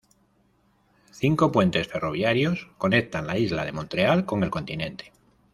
Cinco puentes ferroviarios conectan la isla de Montreal con el continente.